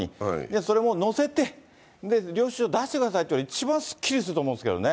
それものせて、で、領収書出してくださいっていうのが一番すっきりすると思うんですけどね。